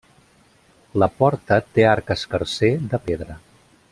La porta té arc escarser de pedra.